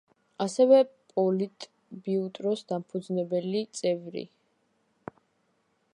ასევე პოლიტბიუროს დამფუძნებელი წევრი.